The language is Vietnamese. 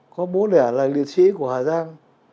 có bố đẻ là liệt sĩ của hà giang